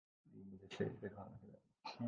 اور وہ کون سے کھلاڑی تھے ۔